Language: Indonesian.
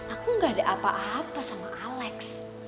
aku gak ada apa apa sama alex